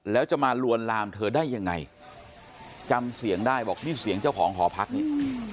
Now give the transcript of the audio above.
แล้วจะมาลวนลามเธอได้ยังไงจำเสียงได้บอกนี่เสียงเจ้าของหอพักนี่